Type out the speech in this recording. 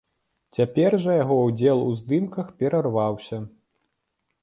Цяпер жа яго ўдзел у здымках перарваўся.